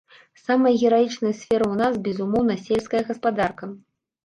Самая гераічная сфера ў нас, безумоўна, сельская гаспадарка.